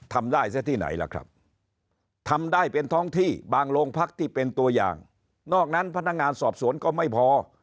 ทำได้ซะที่ไหนล่ะครับทำได้เป็นท้องที่บางโรงพักที่เป็นตัวอย่างนอกนั้นพนักงานสอบสวนก็ไม่พอ